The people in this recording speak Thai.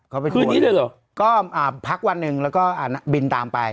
คืนนี้เลยเหรอก็อ่าพักวันหนึ่งแล้วก็บินตามไป